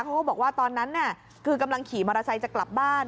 เขาก็บอกว่าตอนนั้นคือกำลังขี่มอเตอร์ไซค์จะกลับบ้าน